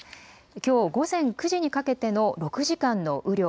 きょう午前９時にかけての６時間の雨量。